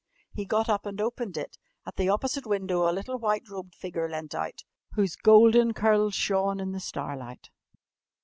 He got up and opened it. At the opposite window a little white robed figure leant out, whose golden curls shone in the starlight.